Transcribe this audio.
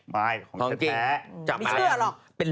ไม่มีเสื้อหรอก